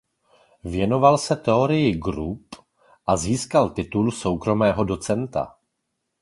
Věnoval se teorii grup a získal titul soukromého docenta.